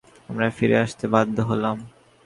আমরা ফিরে আসতে বাধ্য হলাম।